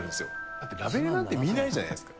だってラベルなんて見ないじゃないですか。